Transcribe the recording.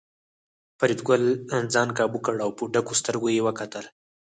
فریدګل ځان کابو کړ او په ډکو سترګو یې کتل